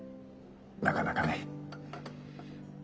なかなかね。